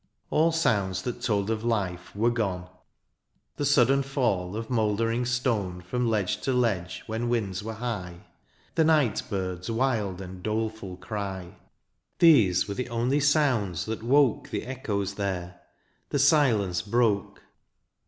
All sounds that told of life were gone — The sudden faU of mouldering stone From ledge to ledge when winds were high. The night birds' wild and doleful cry. These were the only sounds that woke The echoes there, the silence broke.